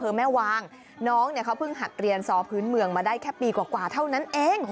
แม่วางน้องเนี่ยเขาเพิ่งหัดเรียนซอพื้นเมืองมาได้แค่ปีกว่าเท่านั้นเอง